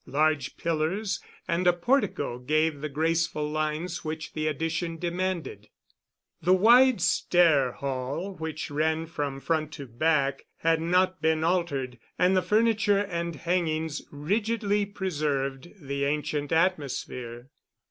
Large pillars and a portico gave the graceful lines which the addition demanded. The wide stair hall which ran from front to back had not been altered, and the furniture and hangings rigidly preserved the ancient atmosphere.